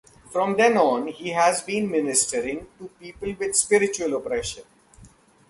From then on he has been ministering to people with spiritual oppression.